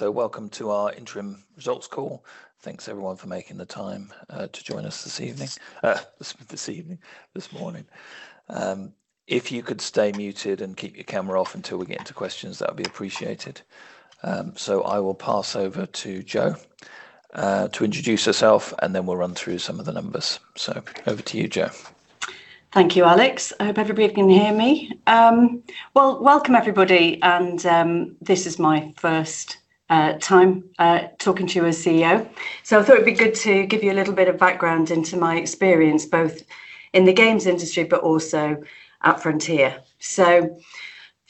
Welcome to our interim results call. Thanks, everyone, for making the time to join us this evening, this evening, this morning. If you could stay muted and keep your camera off until we get into questions, that would be appreciated. I will pass over to Jo to introduce herself, and then we'll run through some of the numbers. Over to you, Jo. Thank you, Alex. I hope everybody can hear me. Welcome, everybody. And this is my first time talking to a CEO. So I thought it'd be good to give you a little bit of background into my experience, both in the games industry but also at Frontier. So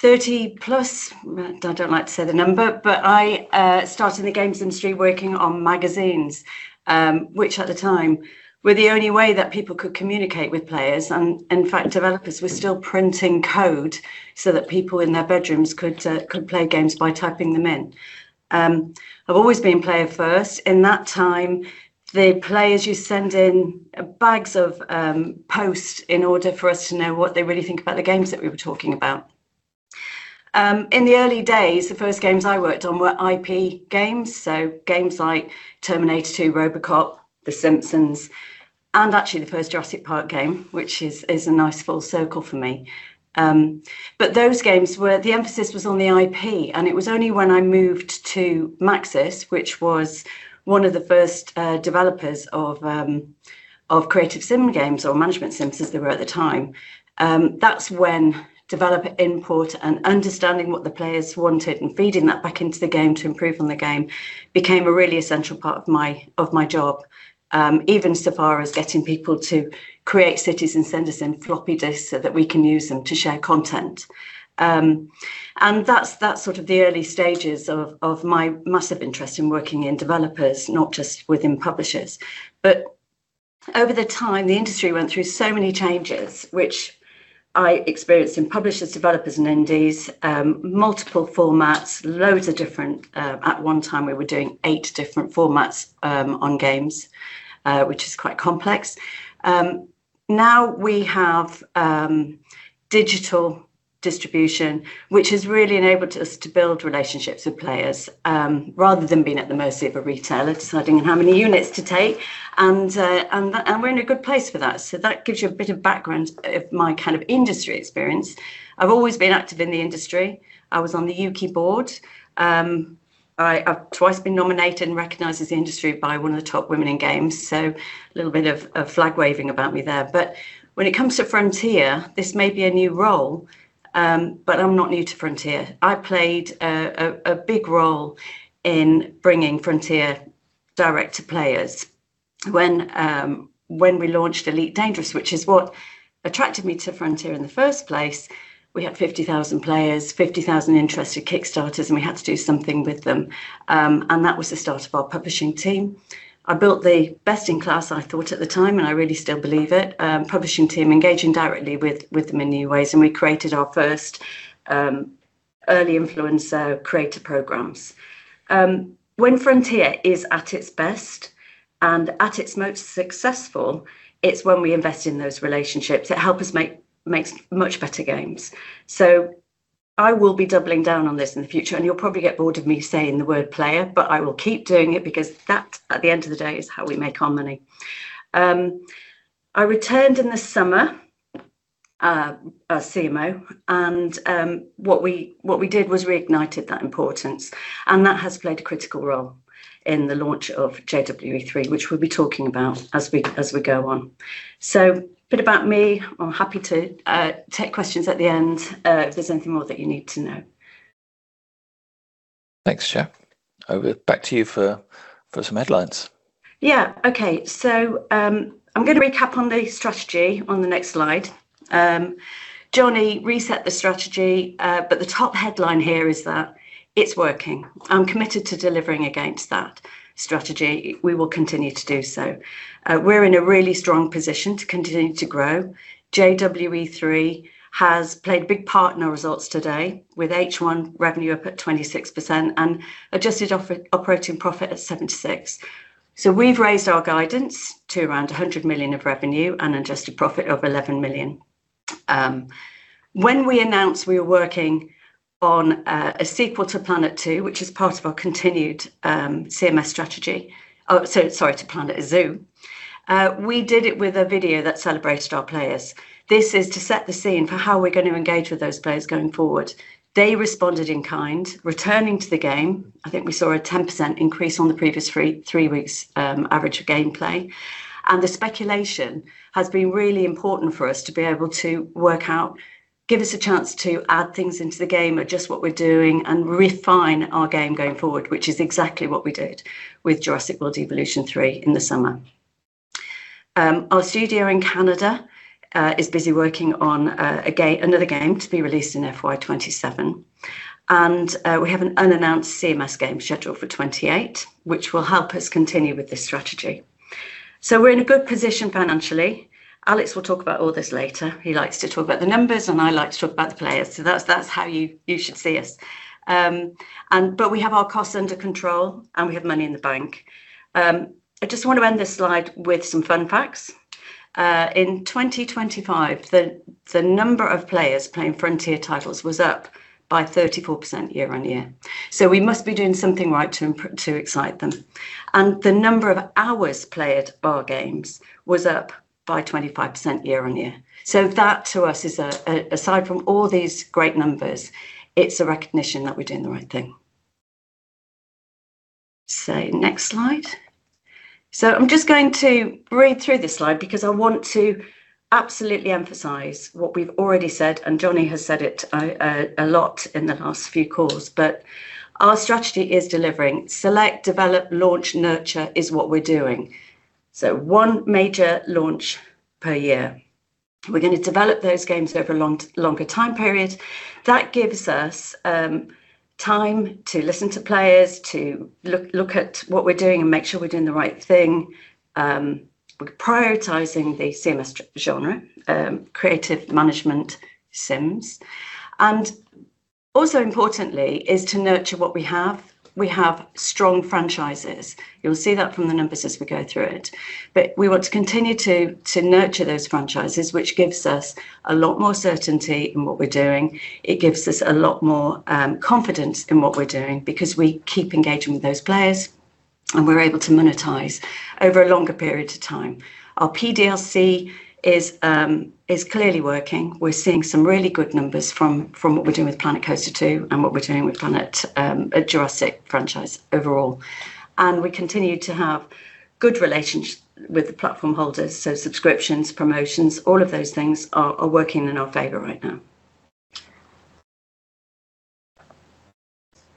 30+, I don't like to say the number, but I started in the games industry working on magazines, which at the time were the only way that people could communicate with players. And in fact, developers were still printing code so that people in their bedrooms could play games by typing them in. I've always been player-first. In that time, the players used to send in bags of post in order for us to know what they really think about the games that we were talking about. In the early days, the first games I worked on were IP games, so games like Terminator 2, RoboCop, The Simpsons, and actually the first Jurassic Park game, which is a nice full circle for me. But those games were, the emphasis was on the IP, and it was only when I moved to Maxis, which was one of the first developers of creative sim games or management sims as they were at the time. That's when developer input and understanding what the players wanted and feeding that back into the game to improve on the game became a really essential part of my job, even so far as getting people to create cities and send us in floppy disks so that we can use them to share content, and that's sort of the early stages of my massive interest in working in developers, not just within publishers. Over time, the industry went through so many changes, which I experienced in publishers, developers, and indies, multiple formats, loads of different at one time, we were doing eight different formats on games, which is quite complex. Now we have digital distribution, which has really enabled us to build relationships with players rather than being at the mercy of a retailer, deciding on how many units to take, and we're in a good place for that. That gives you a bit of background of my kind of industry experience. I've always been active in the industry. I was on the Ukie board. I've twice been nominated and recognized by the industry as one of the top women in games. A little bit of flag waving about me there. When it comes to Frontier, this may be a new role, but I'm not new to Frontier. I played a big role in bringing Frontier direct to players. When we launched Elite Dangerous, which is what attracted me to Frontier in the first place, we had 50,000 players, 50,000 interested Kickstarter, and we had to do something with them, and that was the start of our publishing team. I built the best-in-class, I thought, at the time, and I really still believe it, publishing team engaging directly with them in new ways, and we created our first early influencer creator programs. When Frontier is at its best and at its most successful, it's when we invest in those relationships. It helps us make much better games. I will be doubling down on this in the future, and you'll probably get bored of me saying the word player, but I will keep doing it because that, at the end of the day, is how we make our money. I returned in the summer as CMO, and what we did was reignited that importance. That has played a critical role in the launch of JW3, which we'll be talking about as we go on. A bit about me. I'm happy to take questions at the end if there's anything more that you need to know. Thanks, Jo. Over back to you for some headlines. Yeah. Okay. So I'm going to recap on the strategy on the next slide. Jonny reset the strategy, but the top headline here is that it's working. I'm committed to delivering against that strategy. We will continue to do so. We're in a really strong position to continue to grow. JW3 has played a big part in our results today with H1 revenue up at 26% and adjusted operating profit at 76%. So we've raised our guidance to around 100 million of revenue and adjusted profit of 11 million. When we announced we were working on a sequel to Planet 2, which is part of our continued CMS strategy, sorry, to Planet Zoo, we did it with a video that celebrated our players. This is to set the scene for how we're going to engage with those players going forward. They responded in kind, returning to the game. I think we saw a 10% increase on the previous three weeks' average of gameplay. And the speculation has been really important for us to be able to work out, give us a chance to add things into the game or just what we're doing and refine our game going forward, which is exactly what we did with Jurassic World Evolution 3 in the summer. Our studio in Canada is busy working on another game to be released in FY 2027. And we have an unannounced CMS game scheduled for FY 2028, which will help us continue with this strategy. So we're in a good position financially. Alex will talk about all this later. He likes to talk about the numbers, and I like to talk about the players. So that's how you should see us. But we have our costs under control, and we have money in the bank. I just want to end this slide with some fun facts. In 2025, the number of players playing Frontier titles was up by 34% year-on-year, so we must be doing something right to excite them, and the number of hours played by our games was up by 25% year-on-year, so that, to us, aside from all these great numbers, it's a recognition that we're doing the right thing, so next slide, so I'm just going to read through this slide because I want to absolutely emphasize what we've already said, and Jonny has said it a lot in the last few calls, but our strategy is delivering. Select, develop, launch, nurture is what we're doing, so one major launch per year. We're going to develop those games over a longer time period. That gives us time to listen to players, to look at what we're doing and make sure we're doing the right thing. We're prioritizing the CMS genre, creative management sims, and also importantly is to nurture what we have. We have strong franchises. You'll see that from the numbers as we go through it, but we want to continue to nurture those franchises, which gives us a lot more certainty in what we're doing. It gives us a lot more confidence in what we're doing because we keep engaging with those players, and we're able to monetize over a longer period of time. Our PDLC is clearly working. We're seeing some really good numbers from what we're doing with Planet Coaster 2 and what we're doing with the Jurassic World franchise overall, and we continue to have good relations with the platform holders. Subscriptions, promotions, all of those things are working in our favor right now.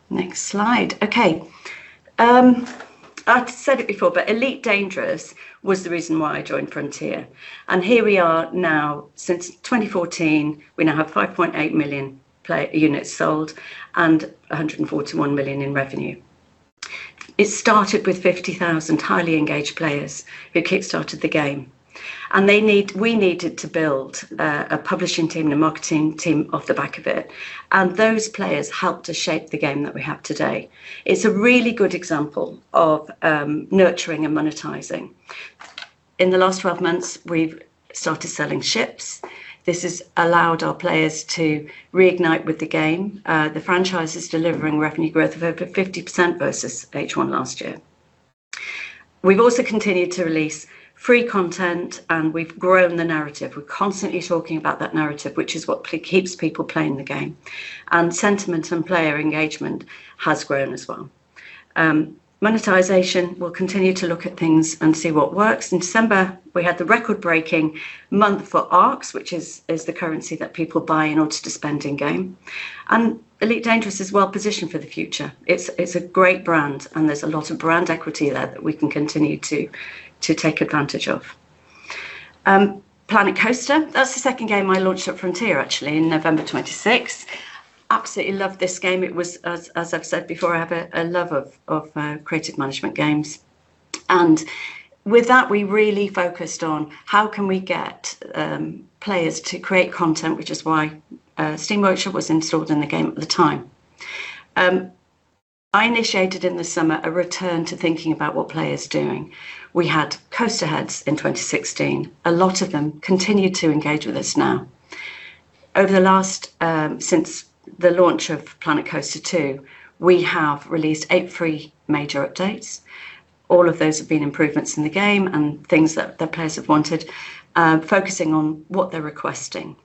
Next slide. Okay. I've said it before, but Elite Dangerous was the reason why I joined Frontier. And here we are now. Since 2014, we now have 5.8 million units sold and 141 million in revenue. It started with 50,000 highly engaged players who kickstarted the game. And we needed to build a publishing team and a marketing team off the back of it. And those players helped to shape the game that we have today. It's a really good example of nurturing and monetizing. In the last 12 months, we've started selling ships. This has allowed our players to reignite with the game. The franchise is delivering revenue growth of over 50% versus H1 last year. We've also continued to release free content, and we've grown the narrative. We're constantly talking about that narrative, which is what keeps people playing the game. And sentiment and player engagement has grown as well. Monetization, we'll continue to look at things and see what works. In December, we had the record-breaking month for ARX, which is the currency that people buy in order to spend in-game. And Elite Dangerous is well-positioned for the future. It's a great brand, and there's a lot of brand equity there that we can continue to take advantage of. Planet Coaster, that's the second game I launched at Frontier, actually, in November 2016. Absolutely loved this game. It was, as I've said before, I have a love of creative management games. And with that, we really focused on how can we get players to create content, which is why Steam Workshop was installed in the game at the time. I initiated in the summer a return to thinking about what players are doing. We had Coaster Heads in 2016. A lot of them continue to engage with us now. Over the last, since the launch of Planet Coaster 2, we have released eight free major updates. All of those have been improvements in the game and things that the players have wanted, focusing on what they're requesting.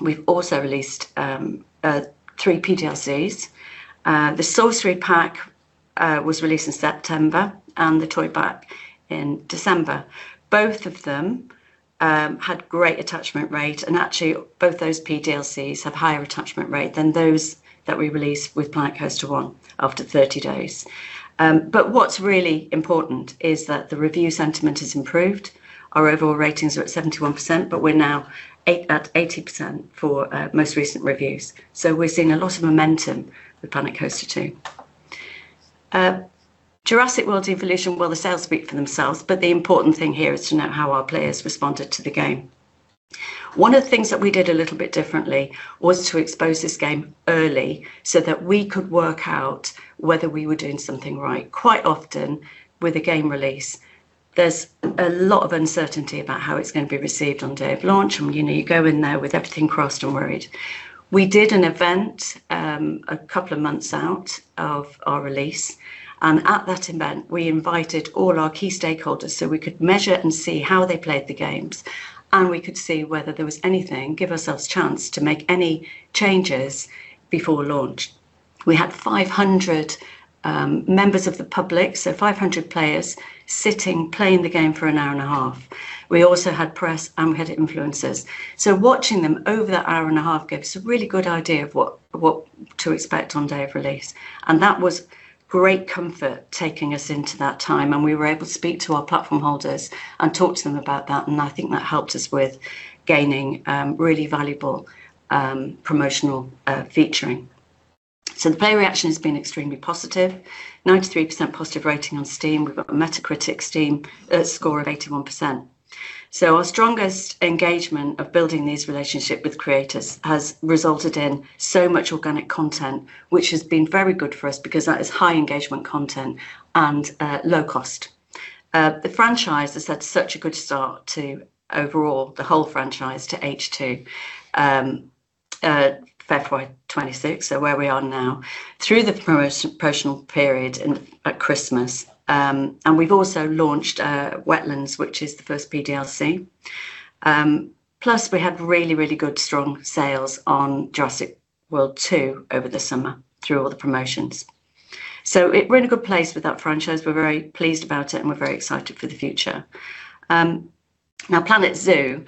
We've also released three PDLCs. The Sorcery Pack was released in September and the Toy Pack in December. Both of them had great attachment rate. And actually, both those PDLCs have a higher attachment rate than those that we released with Planet Coaster 1 after 30 days. But what's really important is that the review sentiment has improved. Our overall ratings are at 71%, but we're now at 80% for most recent reviews. We're seeing a lot of momentum with Planet Coaster 2. Jurassic World Evolution, well, the sales speak for themselves, but the important thing here is to know how our players responded to the game. One of the things that we did a little bit differently was to expose this game early so that we could work out whether we were doing something right. Quite often, with a game release, there's a lot of uncertainty about how it's going to be received on day of launch. You go in there with everything crossed and worried. We did an event a couple of months out of our release. At that event, we invited all our key stakeholders so we could measure and see how they played the games, and we could see whether there was anything, give ourselves a chance to make any changes before launch. We had 500 members of the public, so 500 players sitting, playing the game for an hour and a half. We also had press, and we had influencers. Watching them over that hour and a half gave us a really good idea of what to expect on day of release. That was great comfort taking us into that time. We were able to speak to our platform holders and talk to them about that. I think that helped us with gaining really valuable promotional featuring. The player reaction has been extremely positive, 93% positive rating on Steam. We've got a Metacritic score of 81%. Our strongest engagement of building these relationships with creators has resulted in so much organic content, which has been very good for us because that is high engagement content and low cost. The franchise has had such a good start to overall the whole franchise to H2 February 2026, so where we are now, through the promotional period at Christmas, and we've also launched Wetlands, which is the first PDLC. Plus, we had really, really good, strong sales on Jurassic World Evolution 2 over the summer through all the promotions, so we're in a good place with that franchise. We're very pleased about it, and we're very excited for the future. Now, Planet Zoo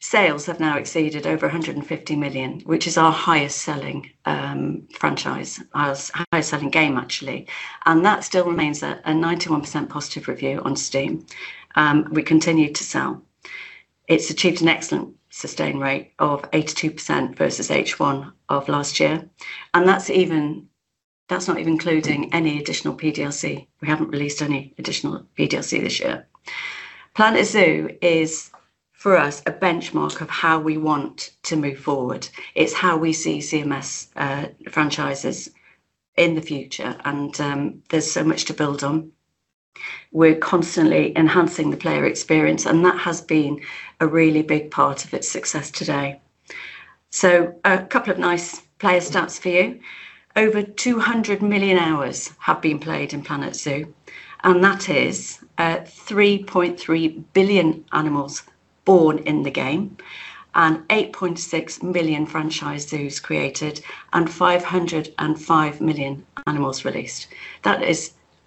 sales have now exceeded over 150 million, which is our highest-selling franchise, our highest-selling game, actually, and that still remains a +91% review on Steam. We continue to sell. It's achieved an excellent sustain rate of 82% versus H1 of last year, and that's not even including any additional PDLC. We haven't released any additional PDLC this year. Planet Zoo is, for us, a benchmark of how we want to move forward. It's how we see CMS franchises in the future, and there's so much to build on. We're constantly enhancing the player experience, and that has been a really big part of its success today, so a couple of nice player stats for you. Over 200 million hours have been played in Planet Zoo, and that is 3.3 billion animals born in the game and 8.6 million franchise zoos created and 505 million animals released. That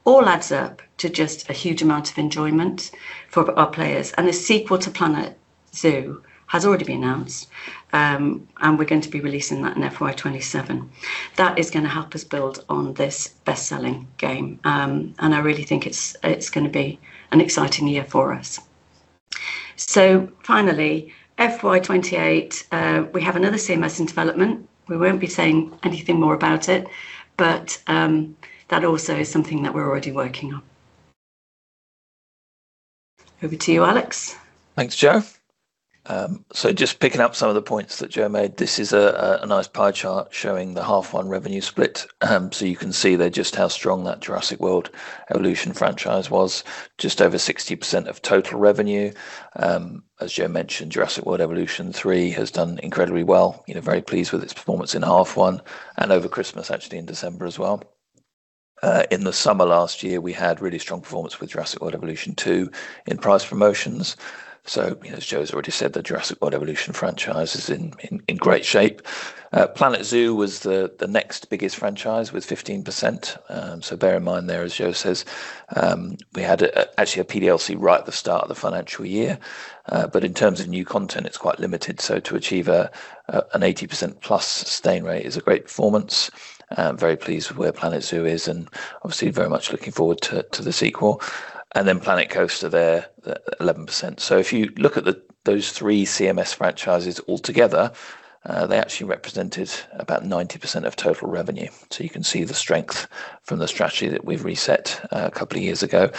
all adds up to just a huge amount of enjoyment for our players, and the sequel to Planet Zoo has already been announced, and we're going to be releasing that in FY 2027. That is going to help us build on this best-selling game, and I really think it's going to be an exciting year for us. So finally, FY 2028, we have another CMS in development. We won't be saying anything more about it, but that also is something that we're already working on. Over to you, Alex. Thanks, Jo. So just picking up some of the points that Jo made, this is a nice pie chart showing the half-one revenue split. So you can see there just how strong that Jurassic World Evolution franchise was, just over 60% of total revenue. As Jo mentioned, Jurassic World Evolution 3 has done incredibly well. Very pleased with its performance in half-one and over Christmas, actually, in December as well. In the summer last year, we had really strong performance with Jurassic World Evolution 2 in price promotions. So as Jo has already said, the Jurassic World Evolution franchise is in great shape. Planet Zoo was the next biggest franchise with 15%. So bear in mind there, as Jo says, we had actually a PDLC right at the start of the financial year. But in terms of new content, it's quite limited. To achieve an 80%+ sustain rate is a great performance. Very pleased with where Planet Zoo is and obviously very much looking forward to the sequel. And then Planet Coaster there, 11%. So if you look at those three CMS franchises altogether, they actually represented about 90% of total revenue. So you can see the strength from the strategy that we've reset a couple of years ago.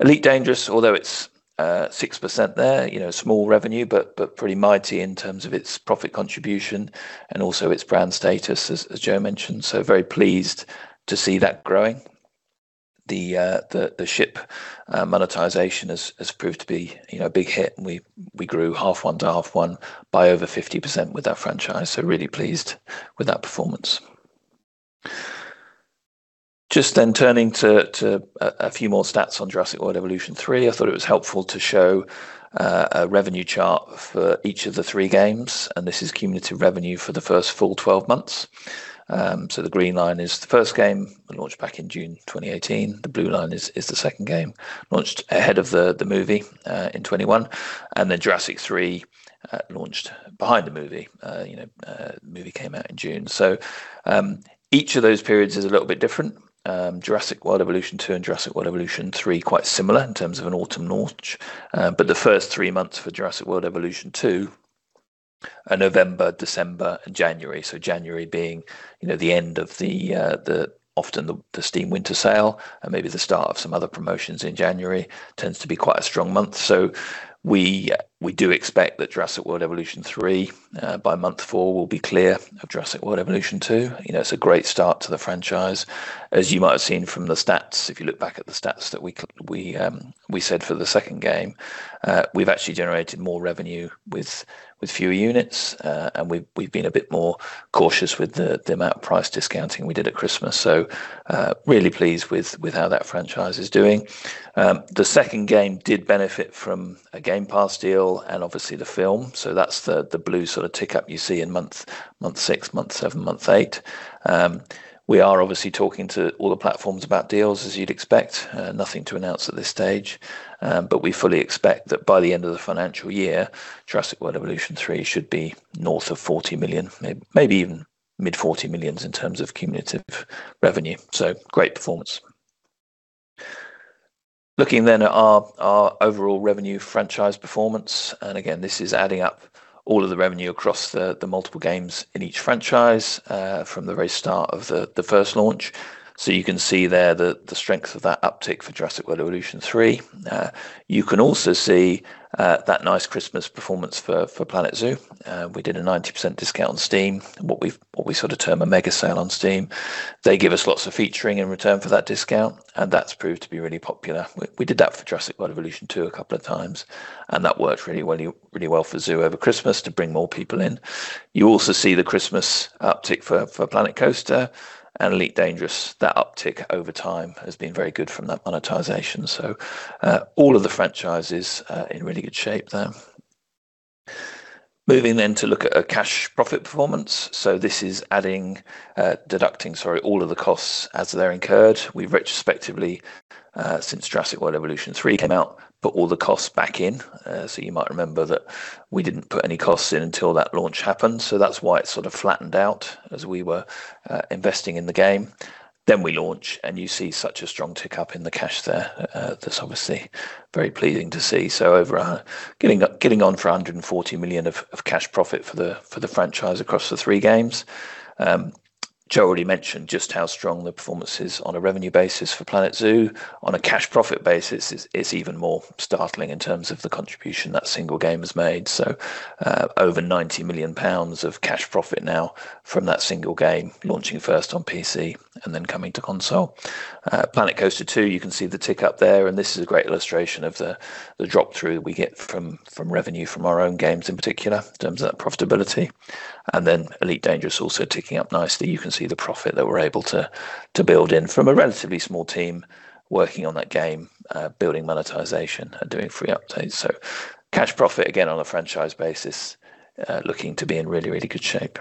Elite Dangerous, although it's 6% there, small revenue, but pretty mighty in terms of its profit contribution and also its brand status, as Jo mentioned. So very pleased to see that growing. The ship monetization has proved to be a big hit. We grew H1 to H1 by over 50% with that franchise. So really pleased with that performance. Just then, turning to a few more stats on Jurassic World Evolution 3, I thought it was helpful to show a revenue chart for each of the three games, and this is cumulative revenue for the first full 12 months, so the green line is the first game, launched back in June 2018. The blue line is the second game, launched ahead of the movie in 2021, and then Jurassic 3 launched behind the movie. The movie came out in June, so each of those periods is a little bit different. Jurassic World Evolution 2 and Jurassic World Evolution 3 are quite similar in terms of an autumn launch. But the first three months for Jurassic World Evolution 2, November, December, and January, so January being the end of the Steam Winter Sale and maybe the start of some other promotions in January, tends to be quite a strong month. So we do expect that Jurassic World Evolution 3 by month four will be clear of Jurassic World Evolution 2. It's a great start to the franchise. As you might have seen from the stats, if you look back at the stats that we said for the second game, we've actually generated more revenue with fewer units. And we've been a bit more cautious with the amount of price discounting we did at Christmas. So really pleased with how that franchise is doing. The second game did benefit from a Game Pass deal and obviously the film. That's the blue sort of tick up you see in month six, month seven, month eight. We are obviously talking to all the platforms about deals, as you'd expect. Nothing to announce at this stage. We fully expect that by the end of the financial year, Jurassic World Evolution 3 should be north of 40 million, maybe even mid-GBP 40 millions in terms of cumulative revenue. Great performance. Looking then at our overall revenue franchise performance. Again, this is adding up all of the revenue across the multiple games in each franchise from the very start of the first launch. You can see there the strength of that uptick for Jurassic World Evolution 3. You can also see that nice Christmas performance for Planet Zoo. We did a 90% discount on Steam, what we sort of term a mega sale on Steam. They give us lots of featuring in return for that discount, and that's proved to be really popular. We did that for Jurassic World Evolution 2 a couple of times, and that worked really well for Zoo over Christmas to bring more people in. You also see the Christmas uptick for Planet Coaster and Elite Dangerous. That uptick over time has been very good from that monetization, so all of the franchises in really good shape there, moving then to look at a cash profit performance. This is deducting, sorry, all of the costs as they're incurred. We've retrospectively, since Jurassic World Evolution 3 came out, put all the costs back in, so you might remember that we didn't put any costs in until that launch happened, so that's why it sort of flattened out as we were investing in the game. Then we launch, and you see such a strong tick up in the cash there. That's obviously very pleasing to see. So getting on for 140 million of cash profit for the franchise across the three games. Jo already mentioned just how strong the performance is on a revenue basis for Planet Zoo. On a cash profit basis, it's even more startling in terms of the contribution that single game has made. So over 90 million pounds of cash profit now from that single game, launching first on PC and then coming to console. Planet Coaster 2, you can see the tick up there. And this is a great illustration of the drop-through that we get from revenue from our own games in particular, in terms of that profitability. And then Elite Dangerous also ticking up nicely. You can see the profit that we're able to build in from a relatively small team working on that game, building monetization and doing free updates. So cash profit again on a franchise basis, looking to be in really, really good shape.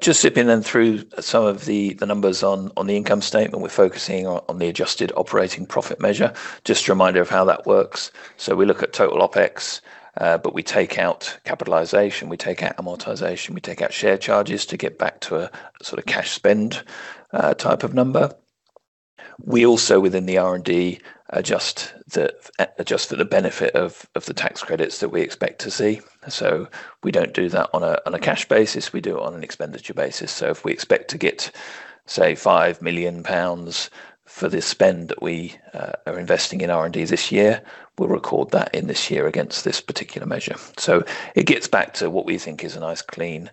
Just zipping then through some of the numbers on the income statement. We're focusing on the adjusted operating profit measure, just a reminder of how that works. So we look at total OpEx, but we take out capitalization. We take out amortization. We take out share charges to get back to a sort of cash spend type of number. We also, within the R&D, adjust for the benefit of the tax credits that we expect to see. So we don't do that on a cash basis. We do it on an expenditure basis. If we expect to get, say, 5 million pounds for this spend that we are investing in R&D this year, we'll record that in this year against this particular measure. It gets back to what we think is a nice clean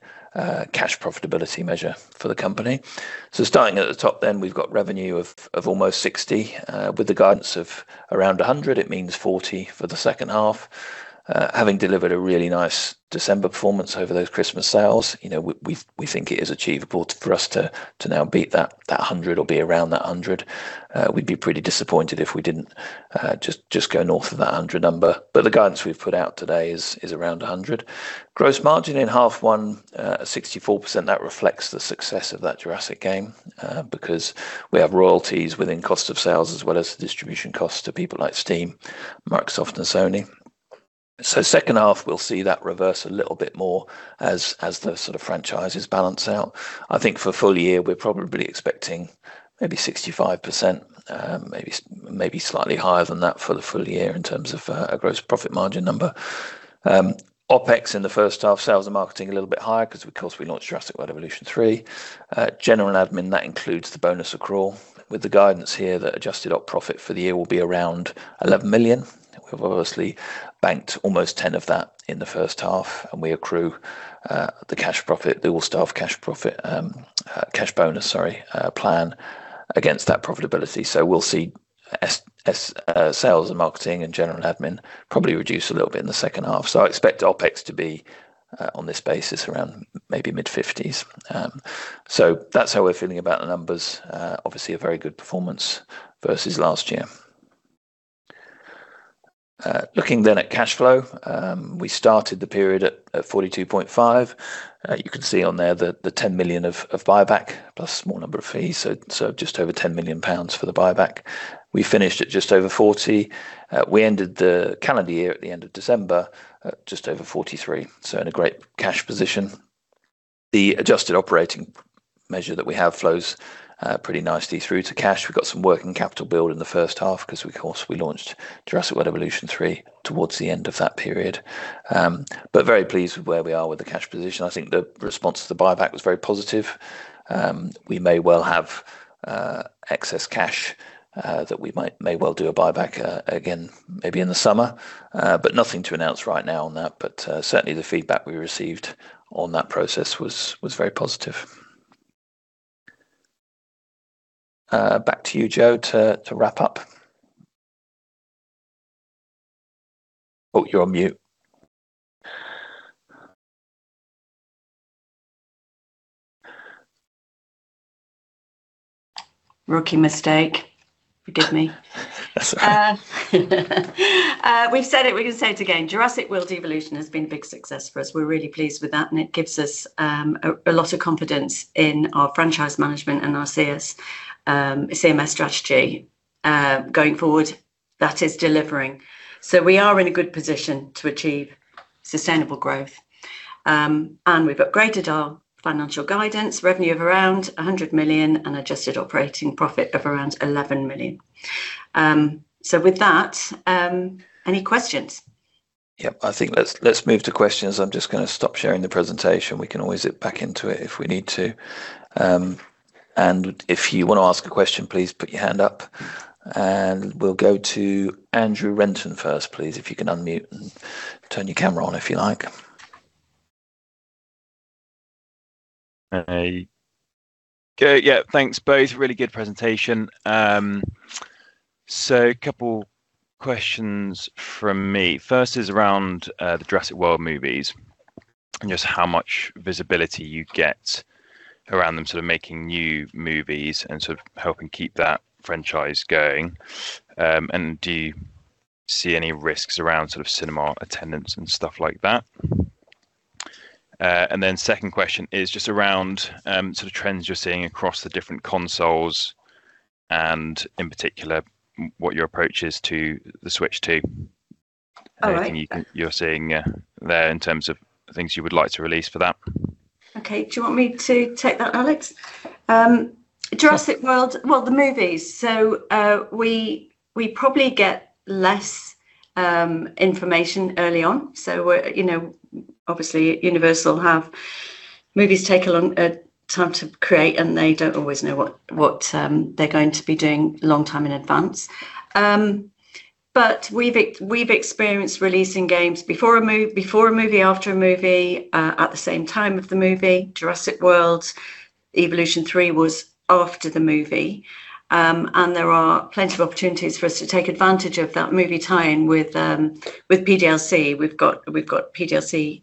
cash profitability measure for the company. Starting at the top, then we've got revenue of almost 60 million. With the guidance of around 100 million, it means 40 million for the second half. Having delivered a really nice December performance over those Christmas sales, we think it is achievable for us to now beat that 100 million or be around that 100 million. We'd be pretty disappointed if we didn't just go north of that 100 million number. The guidance we've put out today is around 100 million. Gross margin in half-one, 64%. That reflects the success of that Jurassic game because we have royalties within cost of sales as well as the distribution costs to people like Steam, Microsoft, and Sony. Second half, we'll see that reverse a little bit more as the sort of franchises balance out. I think for full year, we're probably expecting maybe 65%, maybe slightly higher than that for the full year in terms of a gross profit margin number. OpEx in the first half, sales and marketing a little bit higher because, of course, we launched Jurassic World Evolution 3. General admin, that includes the bonus accrual. With the guidance here, the adjusted op profit for the year will be around 11 million. We've obviously banked almost 10 million of that in the first half. We accrue the cash profit, the all-staff cash bonus, sorry, plan against that profitability. So we'll see sales and marketing and general admin probably reduce a little bit in the second half. So I expect OpEx to be on this basis around maybe mid-50s. So that's how we're feeling about the numbers. Obviously, a very good performance versus last year. Looking then at cash flow, we started the period at 42.5 million. You can see on there the 10 million of buyback plus a small number of fees. So just over 10 million pounds for the buyback. We finished at just over 40 million. We ended the calendar year at the end of December at just over 43 million. So in a great cash position. The adjusted operating measure that we have flows pretty nicely through to cash. We've got some working capital build in the first half because, of course, we launched Jurassic World Evolution 3 towards the end of that period. But very pleased with where we are with the cash position. I think the response to the buyback was very positive. We may well have excess cash that we may well do a buyback again, maybe in the summer. But nothing to announce right now on that. But certainly, the feedback we received on that process was very positive. Back to you, Jo, to wrap up. Oh, you're on mute. Rookie mistake. Forgive me. That's all right. We've said it. We're going to say it again. Jurassic World Evolution has been a big success for us. We're really pleased with that. And it gives us a lot of confidence in our franchise management and our CMS strategy going forward that is delivering. So we are in a good position to achieve sustainable growth. And we've upgraded our financial guidance, revenue of around 100 million and adjusted operating profit of around 11 million. So with that, any questions? Yep. I think, let's move to questions. I'm just going to stop sharing the presentation. We can always zip back into it if we need to. And if you want to ask a question, please put your hand up. And we'll go to Andrew Renton first, please, if you can unmute and turn your camera on if you like. Hey. Yeah. Thanks, both. Really good presentation. So a couple of questions from me. First is around the Jurassic World movies and just how much visibility you get around them sort of making new movies and sort of helping keep that franchise going. And do you see any risks around sort of cinema attendance and stuff like that? And then second question is just around sort of trends you're seeing across the different consoles and in particular what your approach is to the Switch 2. All right. Anything you're seeing there in terms of things you would like to release for that? Okay. Do you want me to take that, Alex? Jurassic World, well, the movies, so we probably get less information early on, so obviously, Universal have movies take a long time to create, and they don't always know what they're going to be doing a long time in advance, but we've experienced releasing games before a movie, after a movie, at the same time of the movie. Jurassic World Evolution 3 was after the movie, and there are plenty of opportunities for us to take advantage of that movie tie-in with PDLC. We've got PDLC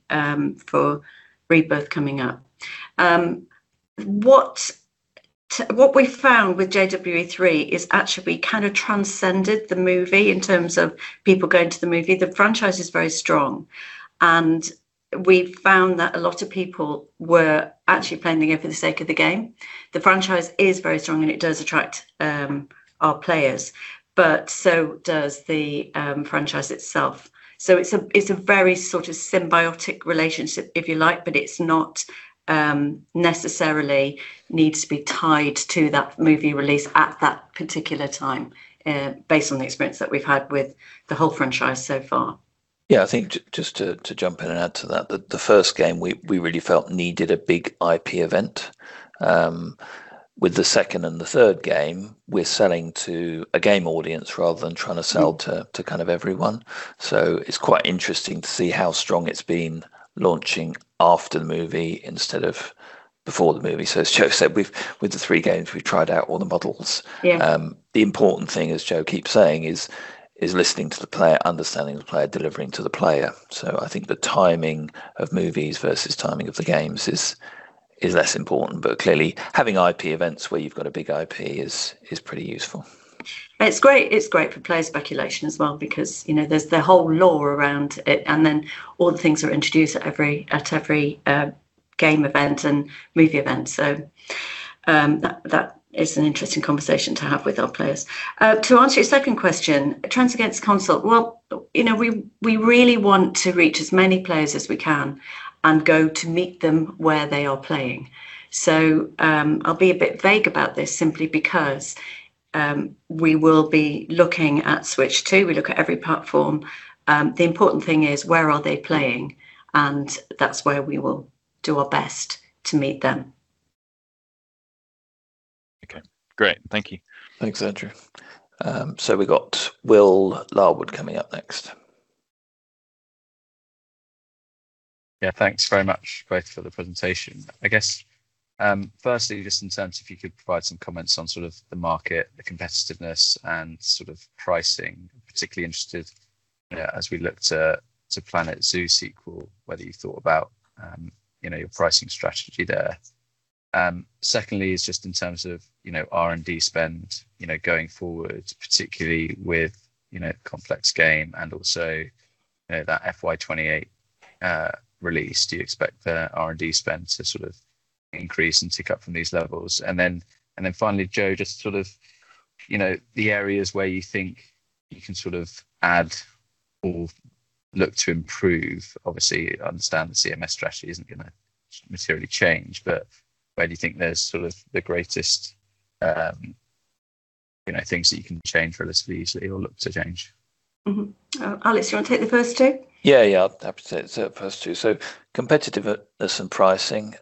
for Rebirth coming up. What we found with JW3 is actually we kind of transcended the movie in terms of people going to the movie. The franchise is very strong, and we found that a lot of people were actually playing the game for the sake of the game. The franchise is very strong, and it does attract our players, but so does the franchise itself. So it's a very sort of symbiotic relationship, if you like, but it's not necessarily needs to be tied to that movie release at that particular time based on the experience that we've had with the whole franchise so far. Yeah. I think just to jump in and add to that, the first game, we really felt needed a big IP event. With the second and the third game, we're selling to a game audience rather than trying to sell to kind of everyone. So it's quite interesting to see how strong it's been launching after the movie instead of before the movie. So as Joe said, with the three games, we've tried out all the models. The important thing, as Joe keeps saying, is listening to the player, understanding the player, delivering to the player. So I think the timing of movies versus timing of the games is less important. But clearly, having IP events where you've got a big IP is pretty useful. It's great for player speculation as well because there's the whole lore around it, and then all the things that are introduced at every game event and movie event. So that is an interesting conversation to have with our players. To answer your second question, trends against console, well, we really want to reach as many players as we can and go to meet them where they are playing. So I'll be a bit vague about this simply because we will be looking at Switch 2. We look at every platform. The important thing is where are they playing? And that's where we will do our best to meet them. Okay. Great. Thank you. Thanks, Andrew. So we've got Will Larwood coming up next. Yeah. Thanks very much, both, for the presentation. I guess, firstly, just in terms of if you could provide some comments on sort of the market, the competitiveness, and sort of pricing. Particularly interested as we look to Planet Zoo sequel, whether you thought about your pricing strategy there. Secondly, it's just in terms of R&D spend going forward, particularly with Complex Games and also that FY 2028 release. Do you expect the R&D spend to sort of increase and tick up from these levels? And then finally, Jo, just sort of the areas where you think you can sort of add or look to improve. Obviously, I understand the CMS strategy isn't going to materially change, but where do you think there's sort of the greatest things that you can change relatively easily or look to change? Alex, do you want to take the first two? Yeah, yeah. I'll take the first two. So competitiveness and pricing.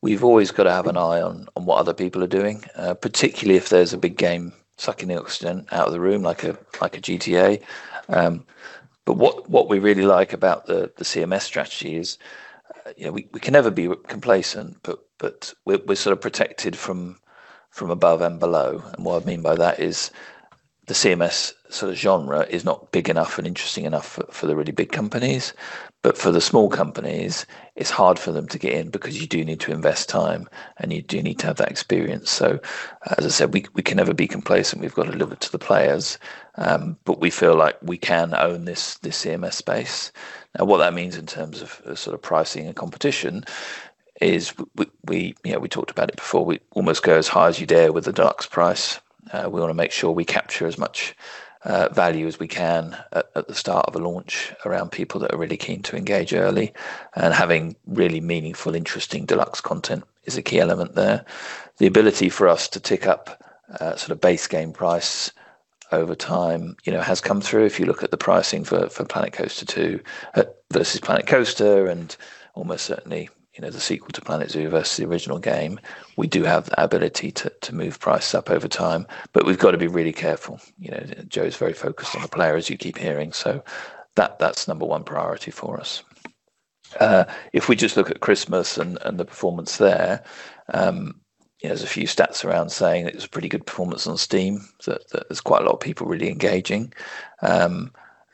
We've always got to have an eye on what other people are doing, particularly if there's a big game sucking the oxygen out of the room like a GTA. But what we really like about the CMS strategy is we can never be complacent, but we're sort of protected from above and below. And what I mean by that is the CMS sort of genre is not big enough and interesting enough for the really big companies. But for the small companies, it's hard for them to get in because you do need to invest time, and you do need to have that experience. So as I said, we can never be complacent. We've got to deliver to the players. But we feel like we can own this CMS space. Now, what that means in terms of sort of pricing and competition is we talked about it before. We almost go as high as you dare with the ARX price. We want to make sure we capture as much value as we can at the start of a launch around people that are really keen to engage early, and having really meaningful, interesting deluxe content is a key element there. The ability for us to tick up sort of base game price over time has come through. If you look at the pricing for Planet Coaster 2 versus Planet Coaster and almost certainly the sequel to Planet Zoo versus the original game, we do have the ability to move price up over time, but we've got to be really careful. Jo's very focused on the players, you keep hearing, so that's number one priority for us. If we just look at Christmas and the performance there, there's a few stats around saying it was a pretty good performance on Steam. There's quite a lot of people really engaging,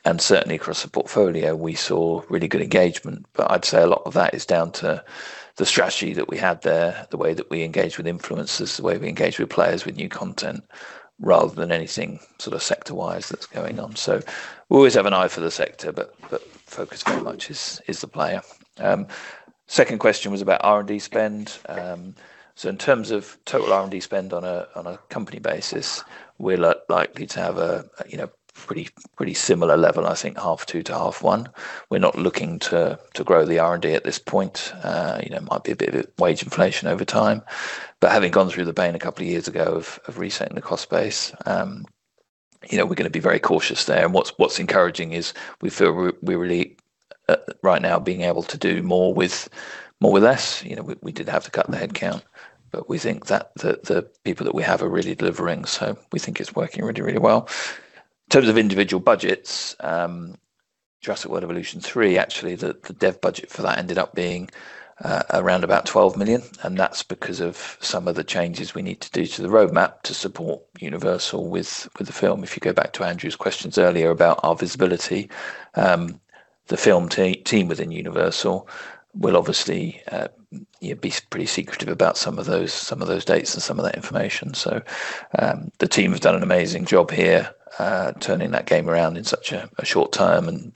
and certainly, across the portfolio, we saw really good engagement, but I'd say a lot of that is down to the strategy that we had there, the way that we engage with influencers, the way we engage with players with new content rather than anything sort of sector-wise that's going on, so we always have an eye for the sector, but focus very much is the player. Second question was about R&D spend. So in terms of total R&D spend on a company basis, we're likely to have a pretty similar level, I think, half two to half one. We're not looking to grow the R&D at this point. It might be a bit of wage inflation over time. But having gone through the pain a couple of years ago of resetting the cost base, we're going to be very cautious there. And what's encouraging is we feel we're really right now being able to do more with less. We did have to cut the headcount. But we think that the people that we have are really delivering. So we think it's working really, really well. In terms of individual budgets, Jurassic World Evolution 3, actually, the dev budget for that ended up being around about 12 million. And that's because of some of the changes we need to do to the roadmap to support Universal with the film. If you go back to Andrew's questions earlier about our visibility, the film team within Universal will obviously be pretty secretive about some of those dates and some of that information, so the team has done an amazing job here turning that game around in such a short time and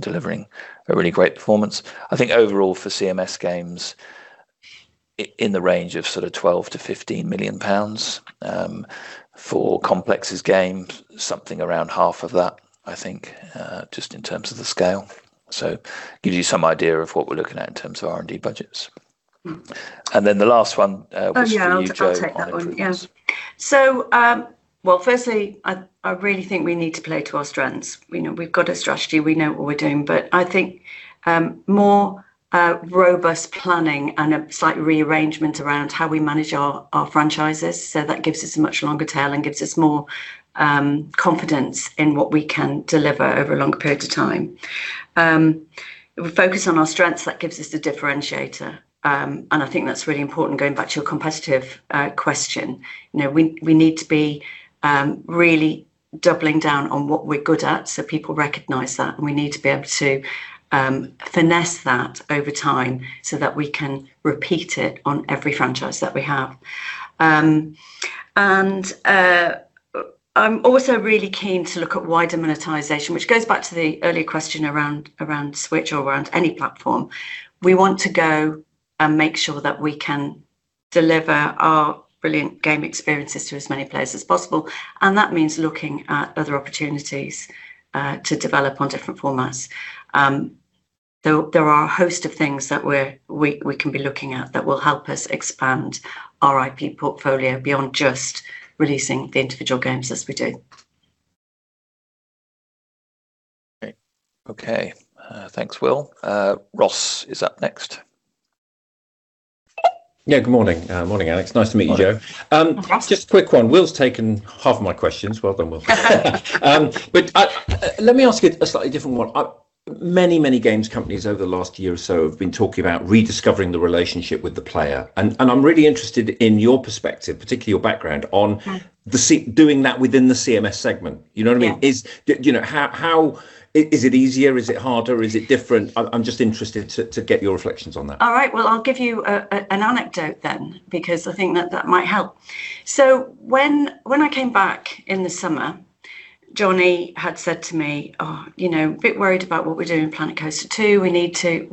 delivering a really great performance. I think overall for CMS games, in the range of sort of 12 million-15 million pounds. For Complex's game, something around GBP 6 million-GBP 7.5 million, I think, just in terms of the scale. So it gives you some idea of what we're looking at in terms of R&D budgets, and then the last one was for you, Jo. I'll take that one. Yeah, so well, firstly, I really think we need to play to our strengths. We've got a strategy. We know what we're doing, but I think more robust planning and a slight rearrangement around how we manage our franchises, so that gives us a much longer tail and gives us more confidence in what we can deliver over a longer period of time. We focus on our strengths. That gives us the differentiator, and I think that's really important. Going back to your competitive question, we need to be really doubling down on what we're good at so people recognize that, and we need to be able to finesse that over time so that we can repeat it on every franchise that we have. And I'm also really keen to look at wider monetization, which goes back to the earlier question around Switch or around any platform. We want to go and make sure that we can deliver our brilliant game experiences to as many players as possible. And that means looking at other opportunities to develop on different formats. There are a host of things that we can be looking at that will help us expand our IP portfolio beyond just releasing the individual games as we do. Okay. Thanks, Will. Ross is up next. Yeah. Good morning. Morning, Alex. Nice to meet you, Jo. Just a quick one. Will's taken half of my questions. Well done, Will, but let me ask you a slightly different one. Many, many games companies over the last year or so have been talking about rediscovering the relationship with the player, and I'm really interested in your perspective, particularly your background on doing that within the CMS segment. You know what I mean? How is it easier? Is it harder? Is it different? I'm just interested to get your reflections on that. All right. Well, I'll give you an anecdote then because I think that that might help. So when I came back in the summer, Jonny had said to me, oh, a bit worried about what we're doing in Planet Coaster 2. We need to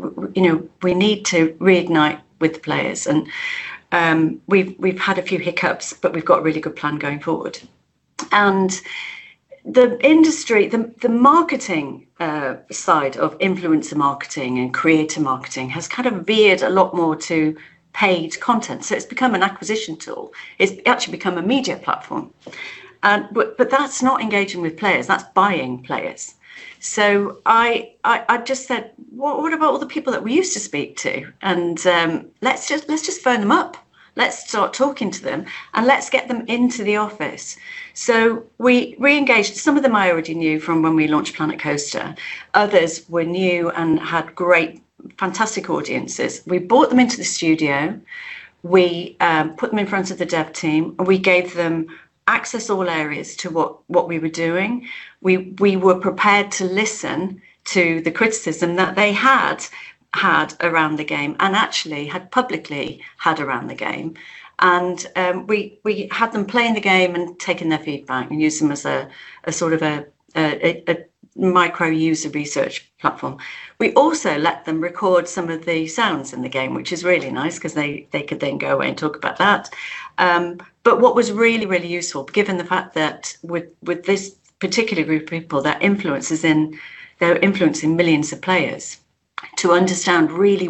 reignite with the players. And we've had a few hiccups, but we've got a really good plan going forward. And the marketing side of influencer marketing and creator marketing has kind of veered a lot more to paid content. So it's become an acquisition tool. It's actually become a media platform. But that's not engaging with players. That's buying players. So I just said, well, what about all the people that we used to speak to? And let's just phone them up. Let's start talking to them, and let's get them into the office. So we reengaged some of them I already knew from when we launched Planet Coaster. Others were new and had great, fantastic audiences. We brought them into the studio. We put them in front of the dev team, and we gave them access to all areas to what we were doing. We were prepared to listen to the criticism that they had around the game and actually had publicly around the game. And we had them playing the game and taking their feedback and use them as a sort of a micro user research platform. We also let them record some of the sounds in the game, which is really nice because they could then go away and talk about that. But what was really, really useful, given the fact that with this particular group of people, their influence is in millions of players, to understand really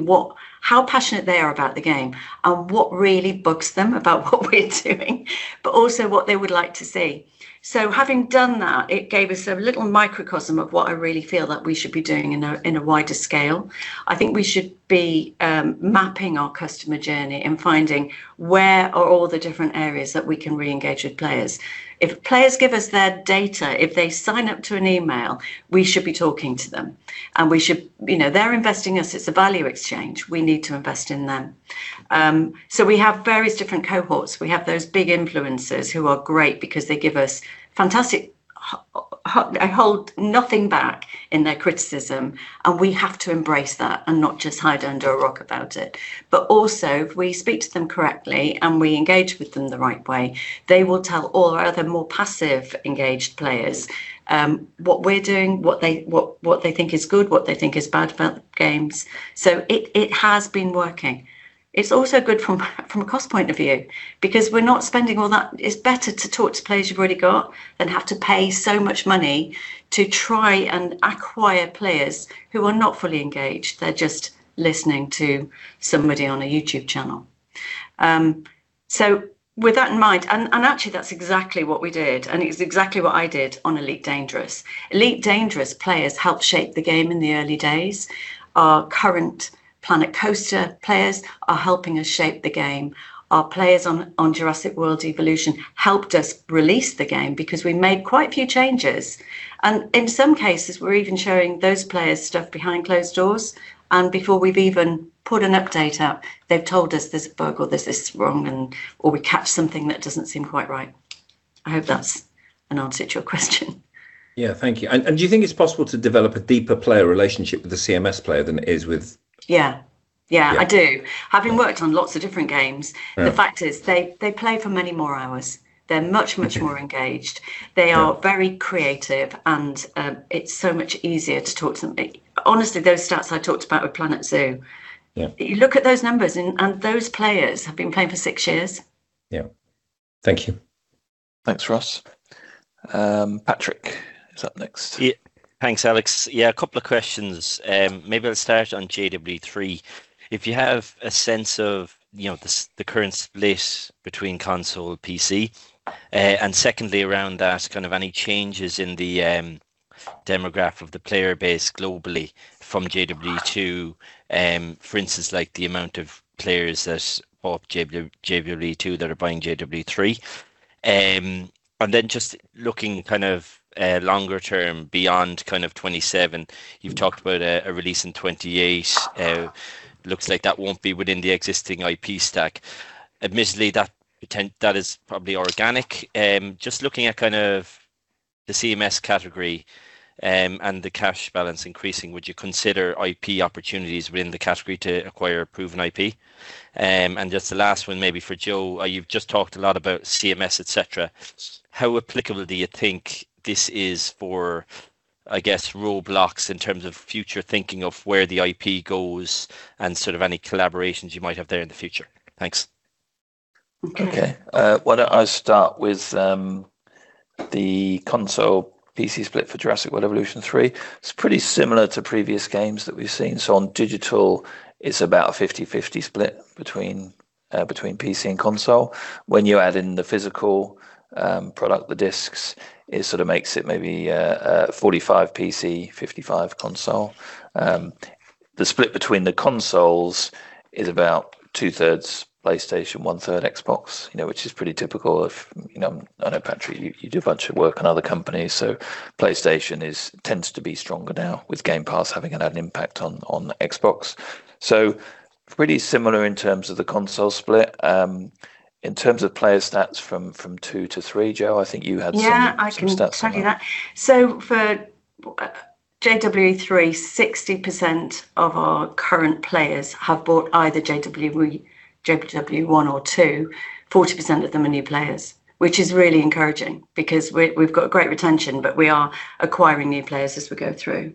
how passionate they are about the game and what really bugs them about what we're doing, but also what they would like to see. So having done that, it gave us a little microcosm of what I really feel that we should be doing in a wider scale. I think we should be mapping our customer journey and finding where are all the different areas that we can reengage with players. If players give us their data, if they sign up to an email, we should be talking to them. And they're investing in us. It's a value exchange. We need to invest in them. So we have various different cohorts. We have those big influencers who are great because they give us fantastic, a whole nothing back in their criticism. And we have to embrace that and not just hide under a rock about it. But also, if we speak to them correctly and we engage with them the right way, they will tell all our other more passive engaged players what we're doing, what they think is good, what they think is bad about the games. So it has been working. It's also good from a cost point of view because we're not spending all that. It's better to talk to players you've already got than have to pay so much money to try and acquire players who are not fully engaged. They're just listening to somebody on a YouTube channel. With that in mind, and actually, that's exactly what we did, and it was exactly what I did on Elite Dangerous. Elite Dangerous players helped shape the game in the early days. Our current Planet Coaster players are helping us shape the game. Our players on Jurassic World Evolution helped us release the game because we made quite a few changes. In some cases, we're even showing those players stuff behind closed doors. Before we've even put an update out, they've told us there's a bug or there's this wrong, or we catch something that doesn't seem quite right. I hope that's an answer to your question. Yeah. Thank you. And do you think it's possible to develop a deeper player relationship with the CMS player than it is with? Yeah. Yeah, I do. Having worked on lots of different games, the fact is they play for many more hours. They're much, much more engaged. They are very creative, and it's so much easier to talk to them. Honestly, those stats I talked about with Planet Zoo, you look at those numbers, and those players have been playing for six years. Yeah. Thank you. Thanks, Ross. Patrick is up next. Thanks, Alex. Yeah, a couple of questions. Maybe I'll start on JW3. If you have a sense of the current split between console and PC, and secondly, around that, kind of any changes in the demographic of the player base globally from JW2, for instance, like the amount of players that are buying JW2 that are buying JW3. And then just looking kind of longer term beyond kind of 2027, you've talked about a release in 2028. Looks like that won't be within the existing IP stack. Admittedly, that is probably organic. Just looking at kind of the CMS category and the cash balance increasing, would you consider IP opportunities within the category to acquire proven IP? And just the last one, maybe for Jo, you've just talked a lot about CMS, etc. How applicable do you think this is for, I guess, Roblox in terms of future thinking of where the IP goes and sort of any collaborations you might have there in the future? Thanks. Okay. Why don't I start with the console PC split for Jurassic World Evolution 3? It's pretty similar to previous games that we've seen. So on digital, it's about a 50/50 split between PC and console. When you add in the physical product, the discs, it sort of makes it maybe 45 PC, 55 console. The split between the consoles is about 2/3 PlayStation, 1/3 Xbox, which is pretty typical. I know, Patrick, you do a bunch of work in other companies. So PlayStation tends to be stronger now, with Game Pass having had an impact on Xbox. So pretty similar in terms of the console split. In terms of player stats from two to three, Jo, I think you had some good stats there. Yeah, I can tell you that. So for JW3, 60% of our current players have bought either JW1 or 2. 40% of them are new players, which is really encouraging because we've got a great retention, but we are acquiring new players as we go through.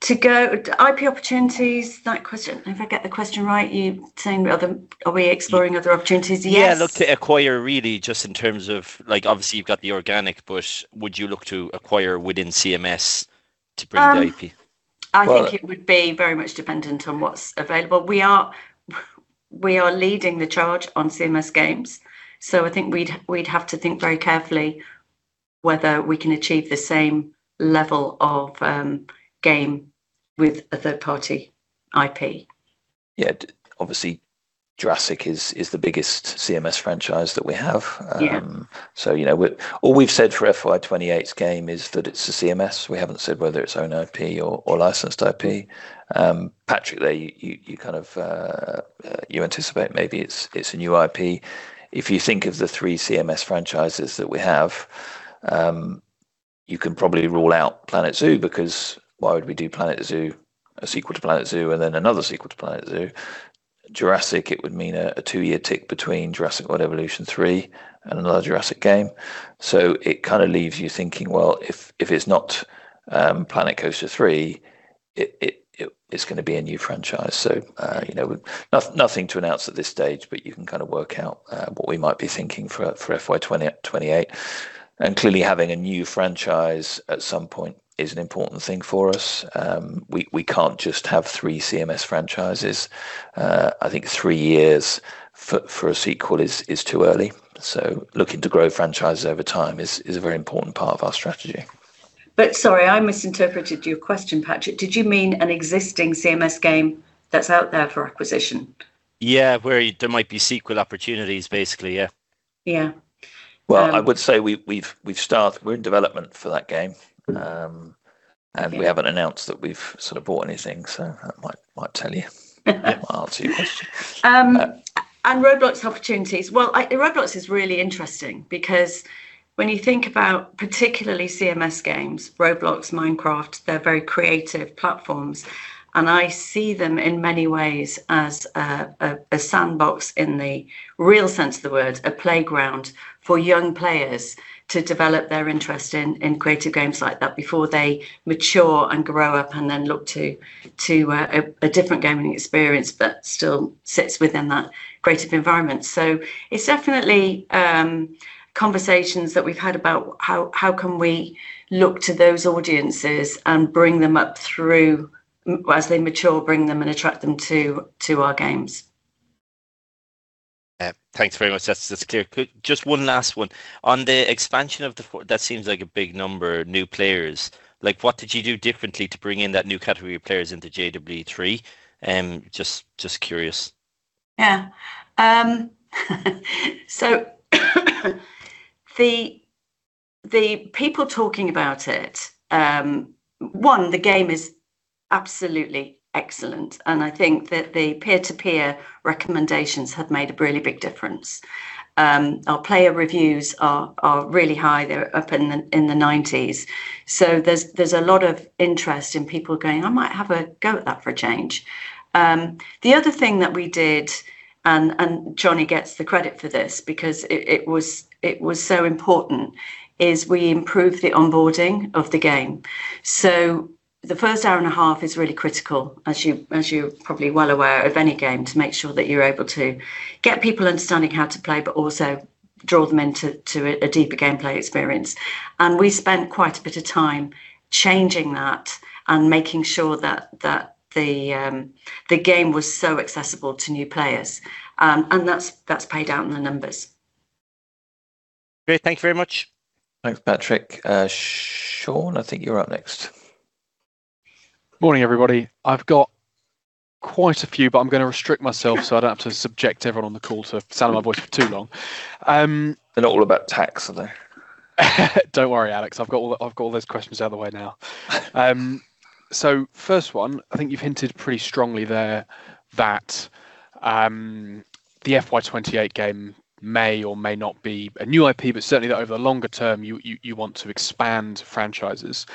To go IP opportunities, that question, if I get the question right, you're saying, are we exploring other opportunities? Yeah, look to acquire really just in terms of, obviously, you've got the organic push. Would you look to acquire within CMS to bring the IP? I think it would be very much dependent on what's available. We are leading the charge on CMS games. So I think we'd have to think very carefully whether we can achieve the same level of game with a third-party IP. Yeah. Obviously, Jurassic is the biggest CMS franchise that we have. So all we've said for FY 2028's game is that it's a CMS. We haven't said whether it's own IP or licensed IP. Patrick, you kind of anticipate maybe it's a new IP. If you think of the three CMS franchises that we have, you can probably rule out Planet Zoo because why would we do a sequel to Planet Zoo and then another sequel to Planet Zoo? Jurassic, it would mean a two-year tick between Jurassic World Evolution 3 and another Jurassic game. So it kind of leaves you thinking, well, if it's not Planet Coaster 3, it's going to be a new franchise. So nothing to announce at this stage, but you can kind of work out what we might be thinking for FY 2028. Clearly, having a new franchise at some point is an important thing for us. We can't just have three CMS franchises. I think three years for a sequel is too early. Looking to grow franchises over time is a very important part of our strategy. But sorry, I misinterpreted your question, Patrick. Did you mean an existing CMS game that's out there for acquisition? Yeah, where there might be sequel opportunities, basically. Yeah. Yeah. Well, I would say we're in development for that game. And we haven't announced that we've sort of bought anything. So that might tell you. I'll ask you a question. Roblox opportunities. Roblox is really interesting because when you think about particularly CMS games, Roblox, Minecraft, they're very creative platforms. I see them in many ways as a sandbox in the real sense of the word, a playground for young players to develop their interest in creative games like that before they mature and grow up and then look to a different gaming experience that still sits within that creative environment. It's definitely conversations that we've had about how we can look to those audiences and bring them up through as they mature, bring them and attract them to our games. Thanks very much, Justin. Just one last one. On the expansion of the four, that seems like a big number, new players. What did you do differently to bring in that new category of players into JW3? Just curious. Yeah. So the people talking about it, one, the game is absolutely excellent. And I think that the peer-to-peer recommendations have made a really big difference. Our player reviews are really high. They're up in the 90s. So there's a lot of interest in people going, I might have a go at that for a change. The other thing that we did, and Jonny gets the credit for this because it was so important, is we improved the onboarding of the game. So the first hour and a half is really critical, as you're probably well aware of any game, to make sure that you're able to get people understanding how to play, but also draw them into a deeper gameplay experience. And we spent quite a bit of time changing that and making sure that the game was so accessible to new players. That's paid out in the numbers. Great. Thank you very much. Thanks, Patrick. Sean, I think you're up next. Morning, everybody. I've got quite a few, but I'm going to restrict myself so I don't have to subject everyone on the call to sound in my voice for too long. They're not all about tax, are they? Don't worry, Alex. I've got all those questions out of the way now. So first one, I think you've hinted pretty strongly there that the FY 2028 game may or may not be a new IP, but certainly that over the longer term, you want to expand franchises.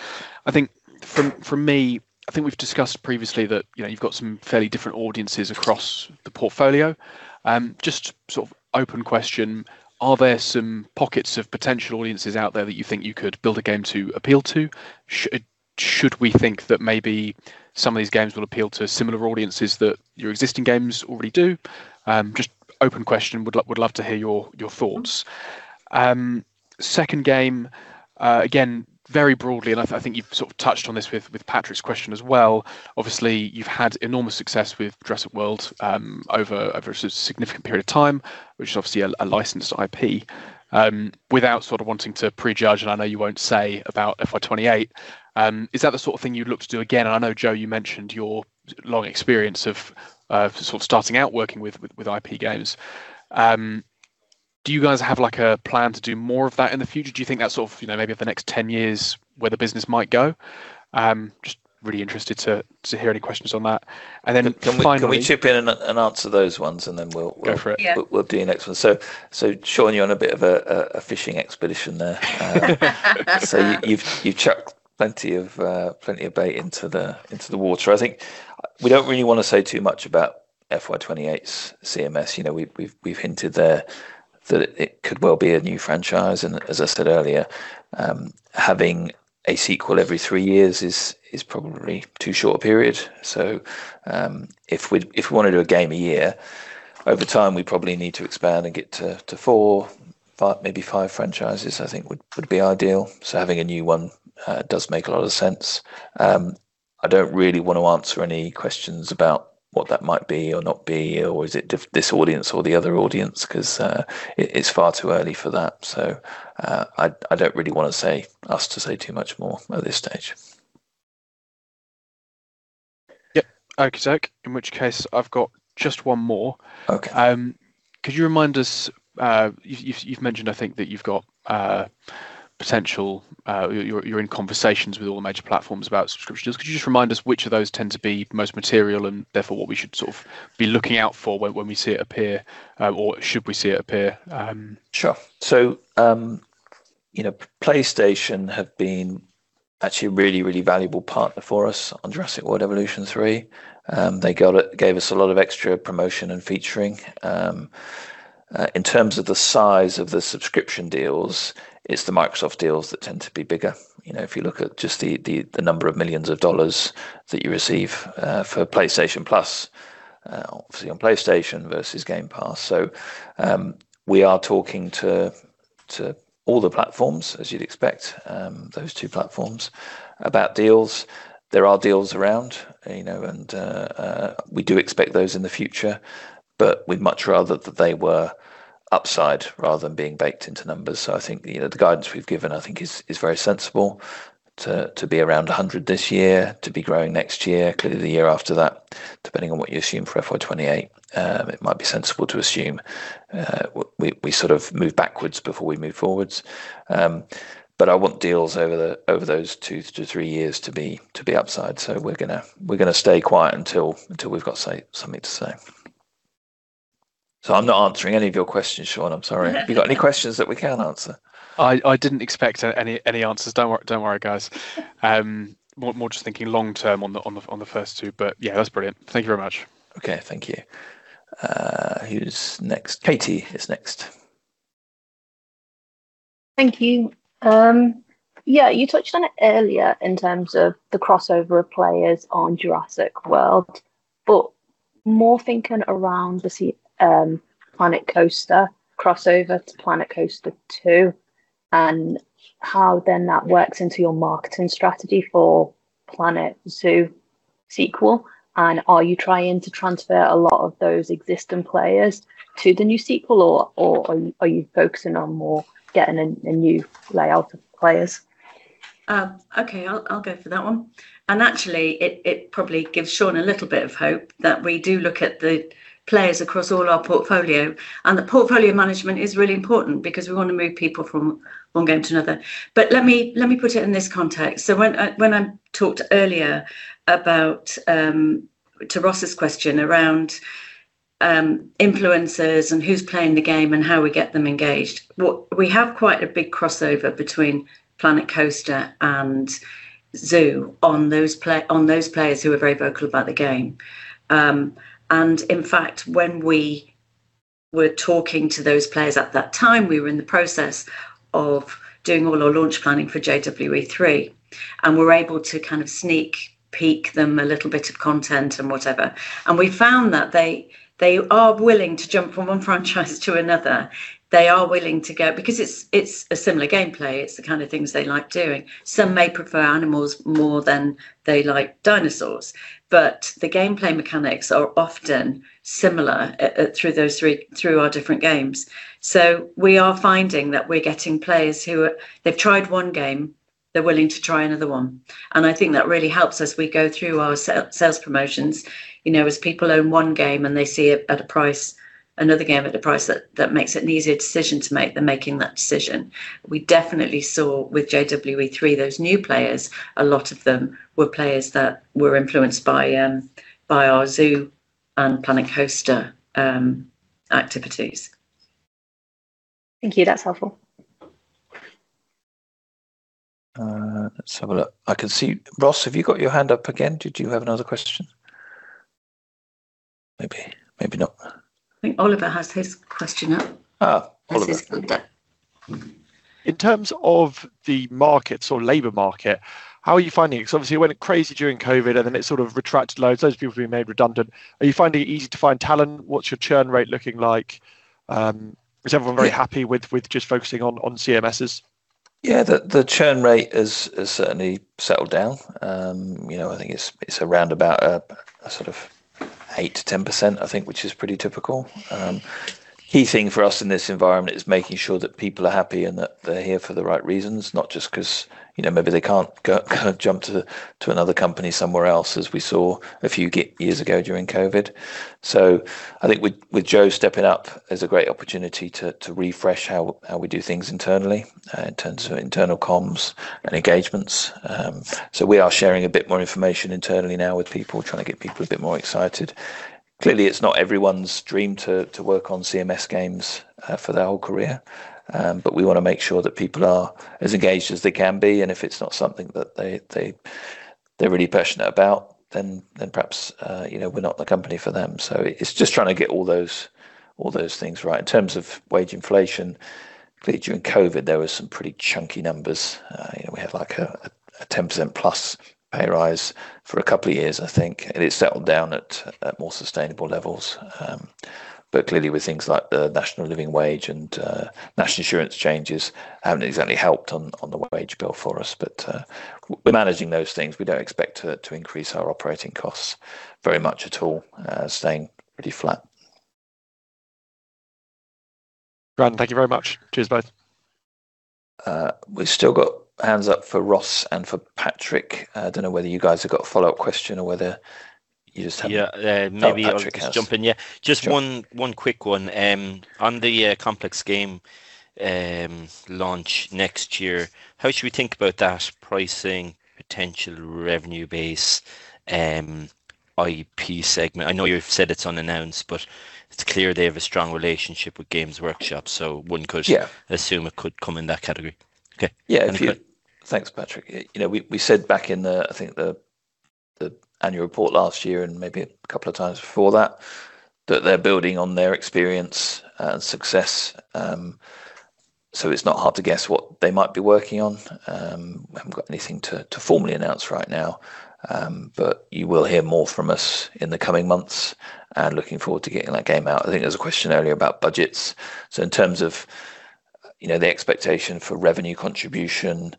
I think for me, I think we've discussed previously that you've got some fairly different audiences across the portfolio. Just sort of open question, are there some pockets of potential audiences out there that you think you could build a game to appeal to? Should we think that maybe some of these games will appeal to similar audiences that your existing games already do? Just open question. Would love to hear your thoughts. Second game, again, very broadly, and I think you've sort of touched on this with Patrick's question as well. Obviously, you've had enormous success with Jurassic World over a significant period of time, which is obviously a licensed IP, without sort of wanting to prejudge, and I know you won't say about FY 2028. Is that the sort of thing you'd look to do again? And I know, Jo, you mentioned your long experience of sort of starting out working with IP games. Do you guys have a plan to do more of that in the future? Do you think that's sort of maybe the next 10 years where the business might go? Just really interested to hear any questions on that. And then finally. Can we chip in and answer those ones, and then we'll do the next one? So Sean, you're on a bit of a fishing expedition there. So you've chucked plenty of bait into the water. I think we don't really want to say too much about FY 2028's CMS. We've hinted there that it could well be a new franchise. And as I said earlier, having a sequel every three years is probably too short a period. So if we want to do a game a year, over time, we probably need to expand and get to four, maybe five franchises, I think would be ideal. So having a new one does make a lot of sense. I don't really want to answer any questions about what that might be or not be, or is it this audience or the other audience? Because it's far too early for that. So I don't really want us to say too much more at this stage. Yep. Thank you, Alex. In which case, I've got just one more. Could you remind us? You've mentioned, I think, that you've got potential. You're in conversations with all the major platforms about subscriptions. Could you just remind us which of those tend to be most material and therefore what we should sort of be looking out for when we see it appear, or should we see it appear? Sure. So PlayStation have been actually a really, really valuable partner for us on Jurassic World Evolution 3. They gave us a lot of extra promotion and featuring. In terms of the size of the subscription deals, it's the Microsoft deals that tend to be bigger. If you look at just the number of millions of dollars that you receive for PlayStation Plus, obviously on PlayStation versus Game Pass. So we are talking to all the platforms, as you'd expect, those two platforms, about deals. There are deals around, and we do expect those in the future, but we'd much rather that they were upside rather than being baked into numbers. So I think the guidance we've given, I think, is very sensible to be around 100 this year, to be growing next year, clearly the year after that, depending on what you assume for FY 2028. It might be sensible to assume we sort of move backwards before we move forwards. But I want deals over those two to three years to be upside. So we're going to stay quiet until we've got something to say. So I'm not answering any of your questions, Sean. I'm sorry. Have you got any questions that we can't answer? I didn't expect any answers. Don't worry, guys. More just thinking long term on the first two. But yeah, that's brilliant. Thank you very much. Okay, thank you. Who's next? Katie is next. Thank you. Yeah, you touched on it earlier in terms of the crossover of players on Jurassic World, but more thinking around the Planet Coaster crossover to Planet Coaster 2 and how then that works into your marketing strategy for Planet Zoo sequel, and are you trying to transfer a lot of those existing players to the new sequel, or are you focusing on more getting a new layout of players? Okay, I'll go for that one. And actually, it probably gives Sean a little bit of hope that we do look at the players across all our portfolio. And the portfolio management is really important because we want to move people from one game to another. But let me put it in this context. So when I talked earlier to Ross's question around influencers and who's playing the game and how we get them engaged, we have quite a big crossover between Planet Coaster and Zoo on those players who are very vocal about the game. And in fact, when we were talking to those players at that time, we were in the process of doing all our launch planning for JW3. And we're able to kind of sneak peek them a little bit of content and whatever. We found that they are willing to jump from one franchise to another. They are willing to go because it's a similar gameplay. It's the kind of things they like doing. Some may prefer animals more than they like dinosaurs, but the gameplay mechanics are often similar through our different games. We are finding that we're getting players who have tried one game, they're willing to try another one. I think that really helps as we go through our sales promotions. As people own one game and they see it at a price, another game at a price that makes it an easier decision to make, they're making that decision. We definitely saw with JW3 those new players, a lot of them were players that were influenced by our Zoo and Planet Coaster activities. Thank you. That's helpful. Let's have a look. I can see Ross, have you got your hand up again? Did you have another question? Maybe not. I think Oliver has his question up. Oh, Oliver. This is Oliver there. In terms of the markets or labor market, how are you finding it? Because obviously, it went crazy during COVID, and then it sort of retracted loads. Those people have been made redundant. Are you finding it easy to find talent? What's your churn rate looking like? Is everyone very happy with just focusing on CMSs? Yeah, the churn rate has certainly settled down. I think it's around about a sort of 8%-10%, I think, which is pretty typical. Key thing for us in this environment is making sure that people are happy and that they're here for the right reasons, not just because maybe they can't jump to another company somewhere else, as we saw a few years ago during COVID. So I think with Jo stepping up, there's a great opportunity to refresh how we do things internally in terms of internal comms and engagements. So we are sharing a bit more information internally now with people, trying to get people a bit more excited. Clearly, it's not everyone's dream to work on CMS games for their whole career. But we want to make sure that people are as engaged as they can be. If it's not something that they're really passionate about, then perhaps we're not the company for them. It's just trying to get all those things right. In terms of wage inflation, clearly during COVID, there were some pretty chunky numbers. We had like a 10%+ pay rise for a couple of years, I think. It settled down at more sustainable levels. Clearly, with things like the National Living Wage and National Insurance changes haven't exactly helped on the wage bill for us. We're managing those things. We don't expect to increase our operating costs very much at all, staying pretty flat. Brandon, thank you very much. Cheers both. We've still got hands up for Ross and for Patrick. I don't know whether you guys have got a follow-up question or whether you just have. Yeah, maybe I'll just jump in. Just one quick one. On the Complex Games launch next year, how should we think about that pricing, potential revenue base, IP segment? I know you've said it's unannounced, but it's clear they have a strong relationship with Games Workshop, so wouldn't go to assume it could come in that category. Okay. Yeah, thanks, Patrick. We said back in, I think, the annual report last year and maybe a couple of times before that that they're building on their experience and success. So it's not hard to guess what they might be working on. We haven't got anything to formally announce right now. But you will hear more from us in the coming months. And looking forward to getting that game out. I think there's a question earlier about budgets. So in terms of the expectation for revenue contribution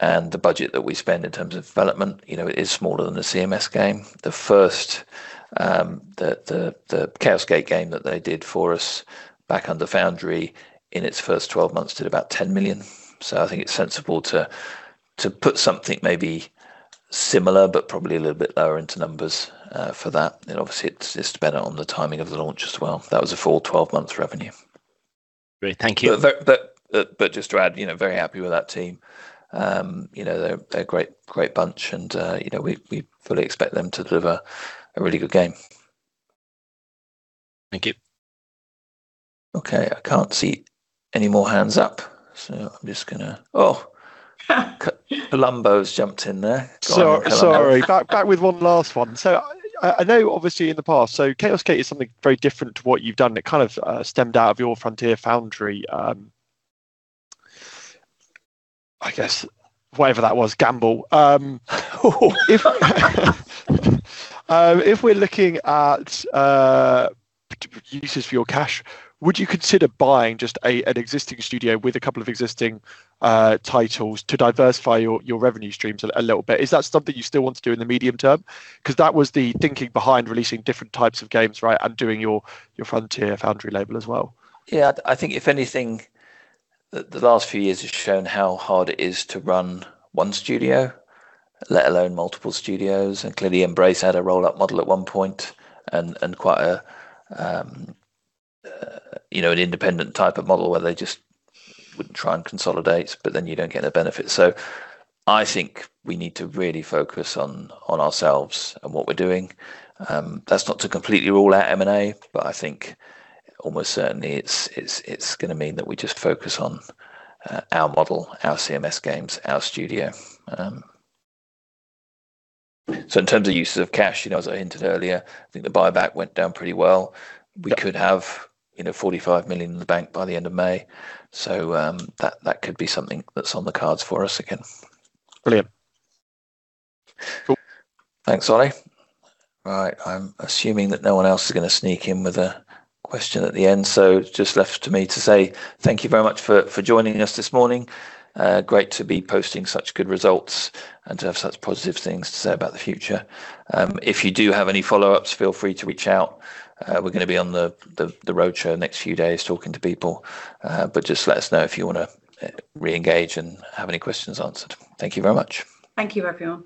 and the budget that we spend in terms of development, it is smaller than the CMS game. The Chaos Gate game that they did for us back under Foundry in its first 12 months did about 10 million. So I think it's sensible to put something maybe similar, but probably a little bit lower into numbers for that. Obviously, it's dependent on the timing of the launch as well. That was a full 12-month revenue. Great. Thank you. But just to add, very happy with that team. They're a great bunch, and we fully expect them to deliver a really good game. Thank you. Okay, I can't see any more hands up, so I'm just going to, oh, Columbo's jumped in there. Sorry, back with one last one. So I know obviously in the past, so Chaos Gate is something very different to what you've done. It kind of stemmed out of your Frontier Foundry, I guess, whatever that was, game. If we're looking at uses for your cash, would you consider buying just an existing studio with a couple of existing titles to diversify your revenue streams a little bit? Is that something you still want to do in the medium term? Because that was the thinking behind releasing different types of games, right, and doing your Frontier Foundry label as well. Yeah, I think if anything, the last few years have shown how hard it is to run one studio, let alone multiple studios. And clearly, Embracer had a roll-up model at one point and quite an independent type of model where they just would try and consolidate, but then you don't get the benefit. So I think we need to really focus on ourselves and what we're doing. That's not to completely rule out M&A, but I think almost certainly it's going to mean that we just focus on our model, our CMS games, our studio. So in terms of uses of cash, as I hinted earlier, I think the buyback went down pretty well. We could have 45 million in the bank by the end of May. So that could be something that's on the cards for us again. Brilliant. Thanks, all. All right, I'm assuming that no one else is going to sneak in with a question at the end. So it's just left to me to say thank you very much for joining us this morning. Great to be posting such good results and to have such positive things to say about the future. If you do have any follow-ups, feel free to reach out. We're going to be on the roadshow next few days talking to people. But just let us know if you want to reengage and have any questions answered. Thank you very much. Thank you, everyone.